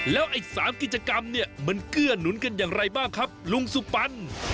แล้วไอ้๓กิจกรรมเนี่ยมันเกื้อหนุนกันอย่างไรบ้างครับลุงสุปัน